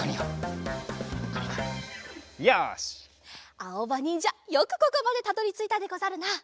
あおばにんじゃよくここまでたどりついたでござるな！